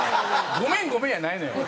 ごめんごめんやないのよ。